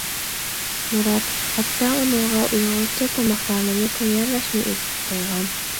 مۇرات ھەتتا ئۇنىڭغا ئۇيغۇرچە تاماقلارنىمۇ تەييارلاشنى ئۆگىتىپ قويغان.